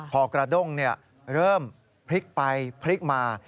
พอกระด้งเริ่มพลิกไปพลิกมา